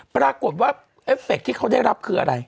ปรากฏว่าเอฟเฟคที่เขาได้รับคืออะไร